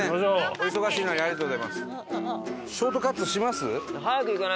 お忙しいのにありがとうございます。